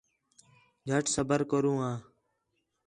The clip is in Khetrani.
جھٹ صبر کرو آں